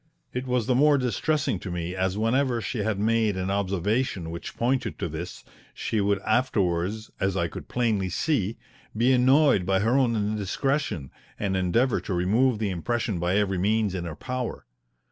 It was the more distressing to me as whenever she had made an observation which pointed to this she would afterwards, as I could plainly see, be annoyed by her own indiscretion, and endeavour to remove the impression by every means in her power.